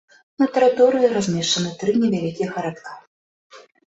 На тэрыторыі размешчаны тры невялікіх гарадка.